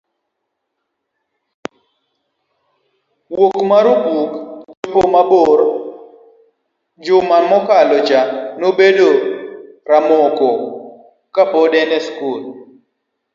Wuoth mar opuk, chope mabor, Juma nochako bedo ramoko kapod en e skul.